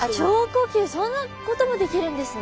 そんなこともできるんですね。